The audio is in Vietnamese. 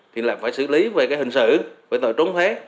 thì là phải xử lý về cái hình sự về tội trốn thuế